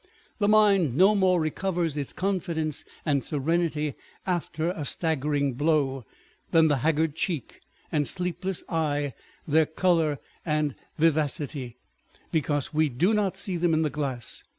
The mind no more recovers its confidence and serenity after a staggering blow, than the haggard cheek and sleepless eye their colour and vivacity, because we do not see them in the glass.